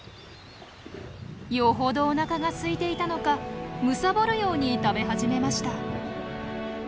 よほどおなかがすいていたのかむさぼるように食べ始めました。